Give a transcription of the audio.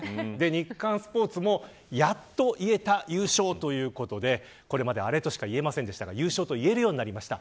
日刊スポーツもやっと言えた優勝ということでこれまでアレとしか言えませんでしたが優勝と言えるようになりました。